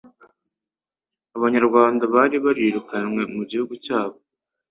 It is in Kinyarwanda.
Abanyarwanda bari barirukanywe mu gihugu cyabo